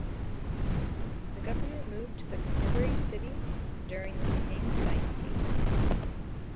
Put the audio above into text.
The government moved to the contemporary city during the Tang dynasty.